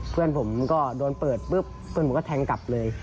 เพื่อนผมก็โดนเปิดปุ๊บเพื่อนผมก็แทงกลับเลย